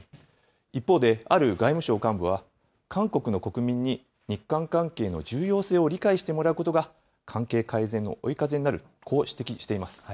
一方で、ある外務省幹部は、韓国の国民に日韓関係の重要性を理解してもらうことが、関係改善の追い風になる、こう指摘しています。